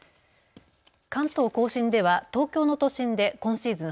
関東甲信では東京の都心で今シーズン